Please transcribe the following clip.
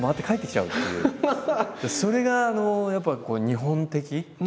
それがやっぱり日本的。